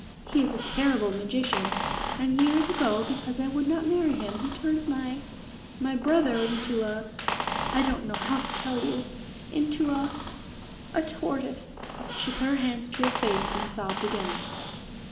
He is a terrible magician, and years ago because I would not marry him he turned my my brother into a I don't know how to tell you into a a tortoise." She put her hands to her face and sobbed again.